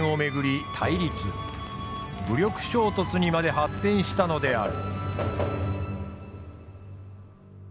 武力衝突にまで発展したのである。